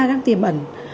nó đang tiềm ẩn